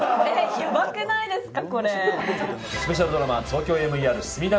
ヤバくないですか？